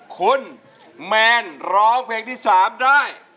คุณแมนร้องเพลงที่๓ได้